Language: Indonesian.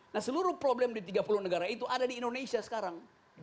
nah seluruh problem di tiga puluh negara itu ada di indonesia sekarang